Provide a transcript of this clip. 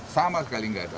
sama sekali nggak ada